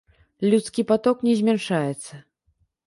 Людскі паток не змяншаецца.